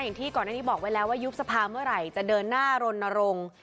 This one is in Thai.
อย่างที่ก่อนอันนี้บอกไว้แล้วว่ายุบสภาเมื่อไหร่จะเดินหน้ารณรงค์